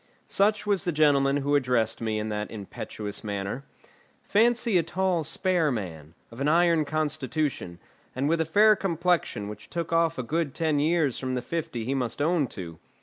Such was the gentleman who addressed me in that impetuous manner. Fancy a tall, spare man, of an iron constitution, and with a fair complexion which took off a good ten years from the fifty he must own to.